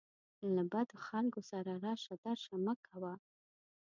له بدو خلکو سره راشه درشه مه کوه